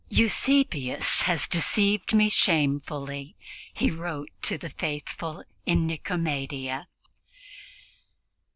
"Eusebius has deceived me shamefully," he wrote to the faithful in Nicomedia.